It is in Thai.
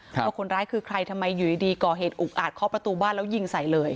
ว่าคนร้ายคือใครทำไมอยู่ดีก่อเหตุอุกอาจเคาะประตูบ้านแล้วยิงใส่เลย